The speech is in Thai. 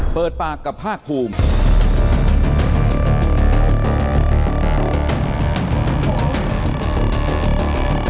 เปิดปากกับภาคภูมิ